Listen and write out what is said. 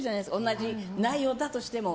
同じ内容だとしても。